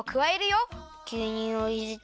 ぎゅうにゅうをいれて。